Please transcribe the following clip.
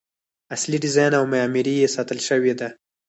اصلي ډیزاین او معماري یې ساتل شوې ده.